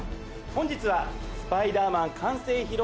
本日は『スパイダーマン』完成披露